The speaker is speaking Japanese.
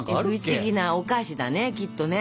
フシギなお菓子だねきっとね。